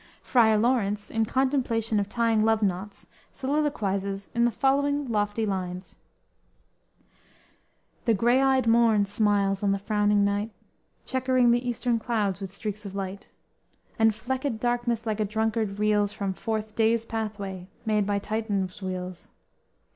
Friar Laurence, in contemplation of tying love knots soliloquizes in the following lofty lines: _"The gray eyed morn smiles on the frowning night, Checkering the eastern clouds with streaks of light; And flecked darkness like a drunkard reels From forth day's pathway, made by Titan's wheels.